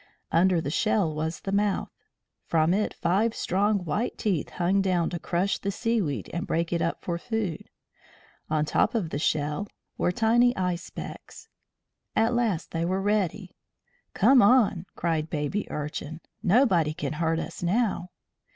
Under the shell was the mouth; from it five strong white teeth hung down to crush the seaweed and break it up for food. On top of the shell were tiny eye specks. At last they were ready. "Come on," cried Baby Urchin. "Nobody can hurt us now."